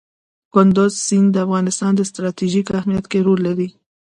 کندز سیند د افغانستان په ستراتیژیک اهمیت کې رول لري.